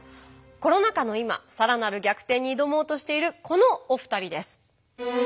コロナ禍の今さらなる逆転に挑もうとしているこのお二人です。